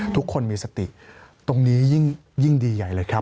ทุกคนมีสติตรงนี้ยิ่งดีใหญ่เลยครับ